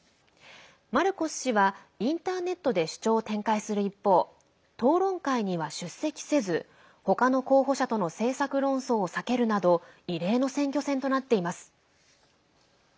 マルコス氏はインターネットで主張を展開する一方討論会には出席せずほかの候補者との政策論争を避けるなど異例の選挙戦となっています。